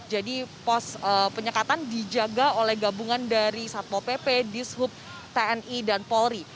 jadi pos penyekatan dijaga oleh gabungan dari satpol pp dishub tni dan polri